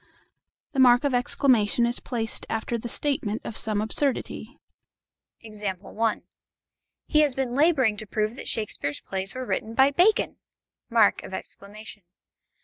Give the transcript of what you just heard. The mark of exclamation is placed after the statement of some absurdity. He has been labouring to prove that Shakespeare's plays were written by Bacon!